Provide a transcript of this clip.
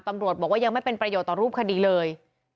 ตำรวจบอกว่ายังไม่เป็นประโยชน์ต่อรูปคดีเลย